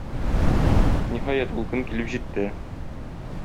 Ниһаять, ул көн килеп җитте.